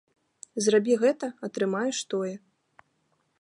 Зрабі гэта, атрымаеш тое.